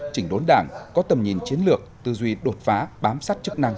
chỉnh đốn đảng có tầm nhìn chiến lược tư duy đột phá bám sát chức năng